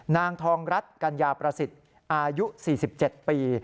นางทองรัฐกัญญาประสิทธิ์อายุ๔๗ปี